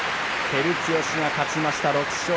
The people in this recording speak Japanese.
照強が勝ちました。